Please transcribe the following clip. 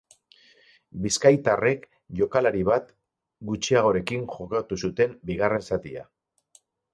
Bizkaitarrek jokalari bat gutxiagorekin jokatu zuten bigarren zatia.